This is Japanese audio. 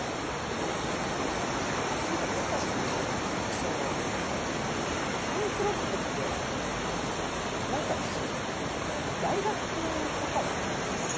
ていうかまさしねそのパンクロックってなんかその大学とかなの？